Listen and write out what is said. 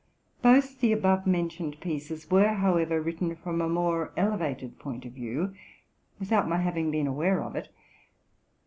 Both the above mentioned pieces were, however, written from a more elevated point of view, without my having been aware of it.